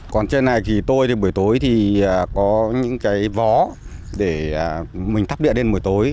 còn trên này thì tôi thì buổi tối thì có những cái vó để mình thắp địa đêm buổi tối